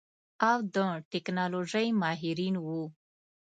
او د ټيکنالوژۍ ماهرين وو.